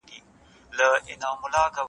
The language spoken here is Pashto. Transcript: وګړي د سياسي قدرت اصلي سرچينه ګڼل کيږي.